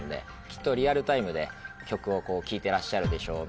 きっとリアルタイムで曲を聴いてらっしゃるでしょう